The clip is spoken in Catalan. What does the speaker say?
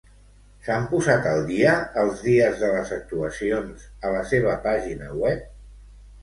S'han posat al dia els dies de les actuacions a la seva pàgina web?